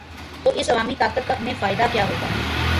تو اس عوامی طاقت کا انہیں فائدہ کیا ہو گا؟